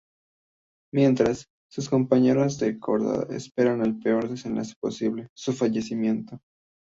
Mientras, sus compañeros de cordada esperan el peor desenlace posible: su fallecimiento.